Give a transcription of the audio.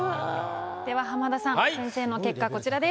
では浜田さん先生の結果こちらです。